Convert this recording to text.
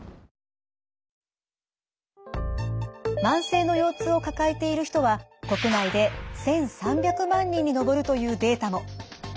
慢性の腰痛を抱えている人は国内で１３００万人に上るというデータも。